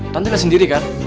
tante gak sendiri kan